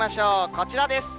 こちらです。